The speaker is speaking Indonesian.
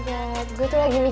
terus dari sini